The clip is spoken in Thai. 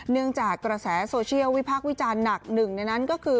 เนื่องจากกระแสโซเชียลวิพากษ์วิจารณ์หนักหนึ่งในนั้นก็คือ